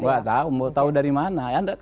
tidak tahu tahu dari mana anda